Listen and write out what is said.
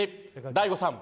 大悟さん